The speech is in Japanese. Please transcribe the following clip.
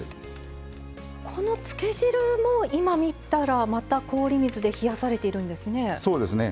このつけ汁も今見たらまた氷水で冷やされているんですね。